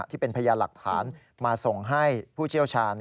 ที่เป็นพยานหลักฐานมาส่งให้ผู้เชี่ยวชาญ